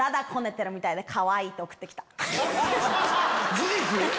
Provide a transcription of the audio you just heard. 事実